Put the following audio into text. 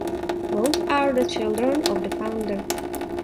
Both are the children of the founder.